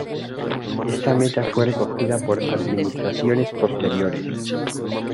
Esta meta fue recogida por administraciones posteriores.